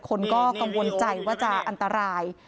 คนก็กังวลใจว่าจะอันตราย